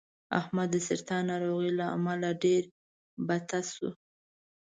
احمد د سرطان ناروغۍ له امله ډېر بته شو